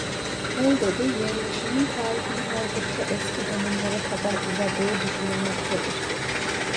Beldede yerleşimin tarihinin oldukça eski dönemlere kadar uzadığı düşünülmektedir.